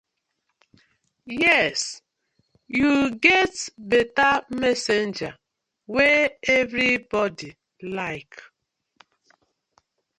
Yes yu get betta messenger wey everybodi like.